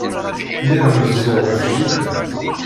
Lliɣ rezzuɣ ɣef jida.